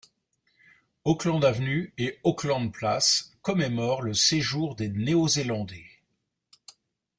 L’Auckland Avenue et Auckland Place commémorent le séjour des Néo-Zélandais.